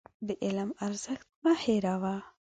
د علم ارزښت مه هېروه.